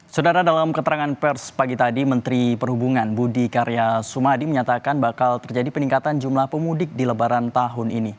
saudara dalam keterangan pers pagi tadi menteri perhubungan budi karya sumadi menyatakan bakal terjadi peningkatan jumlah pemudik di lebaran tahun ini